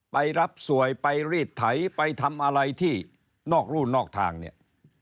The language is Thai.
ไปรับสวยไปรีดไถไปทำอะไรที่นอกรู่นอกทางเนี่ย